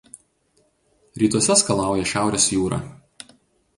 Rytuose skalauja Šiaurės jūra.